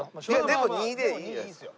でも２でいいんじゃないですか。